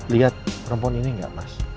lihat perempuan ini nggak mas